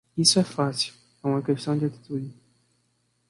Isso é fácil, é uma questão de atitude.